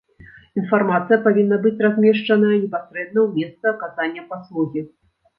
Інфармацыя павінна быць размешчаная непасрэдна ў месцы аказання паслугі.